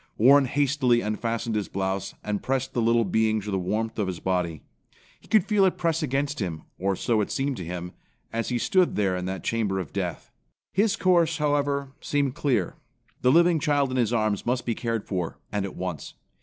Warren hastily unfastened his blouse, and pressed the little being to the warmth of his body. He could feel it press against him, or so it seemed to him, as he stood there in that chamber of death. His course, however, seemed clear. The living child in his arms must be cared for, and at once.